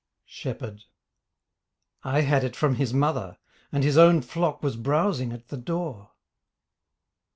SHEPHERD I had it from his mother, And his own flock was browsing at the door.